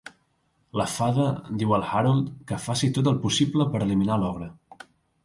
La Fada diu al Harold que faci tot el possible per eliminar l'ogre.